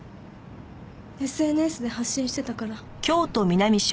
ＳＮＳで発信してたから。